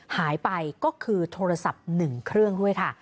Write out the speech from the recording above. หายไปก็คือโทรศัพท์๑เครื่องด้วยค่ะ